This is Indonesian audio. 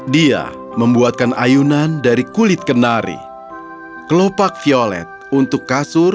dia membuatkan ayunan dari kulitnya